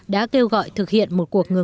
đã kêu gọi thực hiện một cuộc ngừng